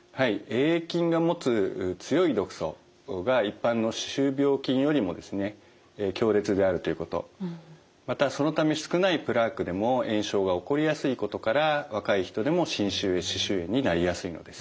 Ａ．ａ．菌が持つ強い毒素が一般の歯周病菌よりもですね強烈であるということまたそのため少ないプラークでも炎症が起こりやすいことから若い人でも侵襲性歯周炎になりやすいのです。